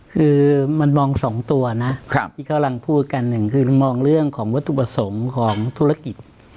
คือมันมองสองตัวนะที่กำลังพูดกันหนึ่งคือมองเรื่องของวัตถุประสงค์ของธุรกิจ